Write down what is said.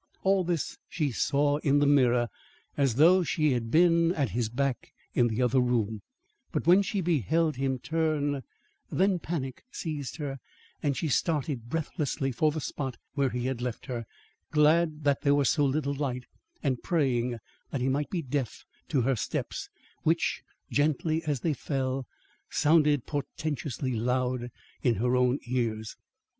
All this she saw in the mirror as though she had been at his back in the other room; but when she beheld him turn, then panic seized her and she started breathlessly for the spot where he had left her, glad that there was so little light, and praying that he might be deaf to her steps, which, gently as they fell, sounded portentously loud in her own ears.